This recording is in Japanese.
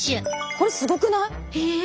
これすごくない？え！